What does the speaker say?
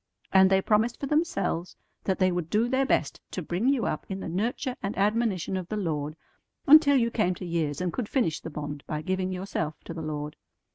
And they promised for themselves that they would do their best to bring you up in the nurture and admonition of the Lord until you came to years and could finish the bond by giving yourself to the Lord.